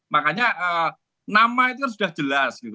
makanya nama itu sudah jelas